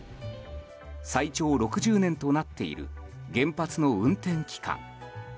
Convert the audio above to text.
最長６０年となっている原発の運転期間。